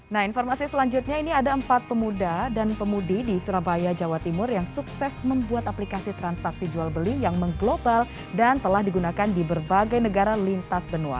nah informasi selanjutnya ini ada empat pemuda dan pemudi di surabaya jawa timur yang sukses membuat aplikasi transaksi jual beli yang mengglobal dan telah digunakan di berbagai negara lintas benua